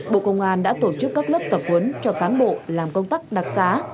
bộ công an đã tổ chức các lớp tập huấn cho cán bộ làm công tắc đặc sá